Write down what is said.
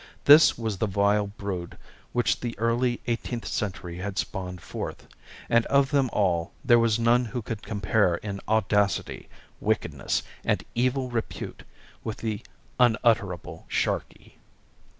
This was the vile brood which the early eighteenth century had spawned forth, and of them all there was none who could compare in audacity, wickedness, and evil repute with the unutterable Sharkey.